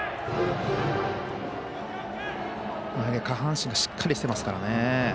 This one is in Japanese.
下半身がしっかりしてますからね。